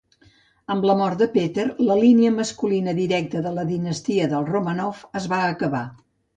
Amb la mort de Peter, la línia masculina directa de la dinastia dels Romanov es va acabar.